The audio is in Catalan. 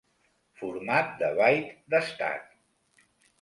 Format de byte d'estat.